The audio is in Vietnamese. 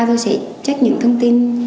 tôi sẽ check những thông tin